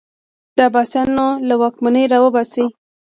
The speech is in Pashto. د عباسیانو له واکمني راوباسي